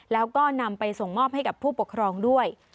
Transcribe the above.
แล้วก็นำไปส่งมอบให้กับผู้ปกครองด้วย